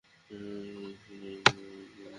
এটা ছিল ঐ অঞ্চলের প্রাণকেন্দ্র।